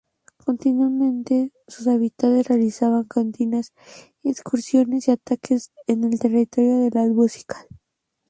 Continuamente, sus habitantes realizaban continuas incursiones y ataques en el territorio de los muiscas.